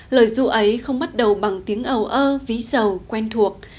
lời ru ấy không bắt đầu bằng tiếng ầu ơ ví sầu quen thuộc